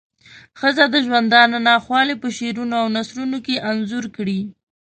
ښځو د ژوندانه ناخوالی په شعرونو او نثرونو کې انځور کړې.